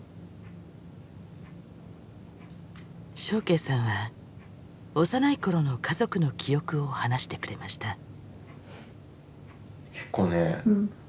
祥敬さんは幼い頃の家族の記憶を話してくれました。